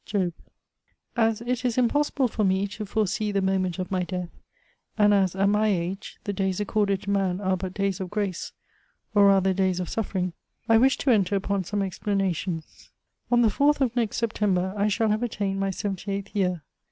JOB. As it is impossible for me to foresee the moment of my deaths — ^and as, at my age, the days accorded to man are but days of grace, or radier days of suffering, — I wish to enter upon some explanations. On the 4th of next September, I shall haye attained my seventy eighth year.